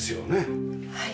はい。